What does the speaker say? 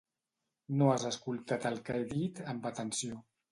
No has escoltat el que he dit amb atenció.